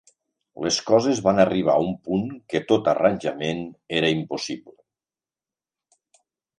Les coses van arribar a un punt que tot arranjament era impossible.